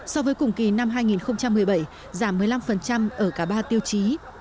so với cùng kỳ năm hai nghìn một mươi bảy giảm một mươi năm ở cả ba tiêu chí